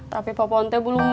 tapi popon teeh belum mau bu